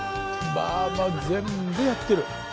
まあまあ全部やってる。